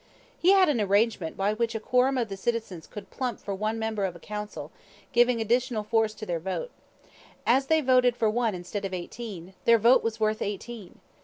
"He had an arrangement by which a quorum of the citizens could plump for one member of council, giving additional force to their vote. As they voted for one instead of eighteen, their vote was worth eighteen.